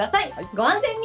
ご安全に！